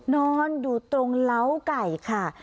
นอนดูตรงเลาไก่